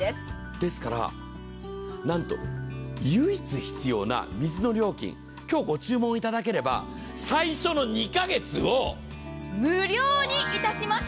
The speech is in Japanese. ですから、なんと唯一必要な水の料金、今日ご注文いただければ、最初の２カ月を無料にいたします。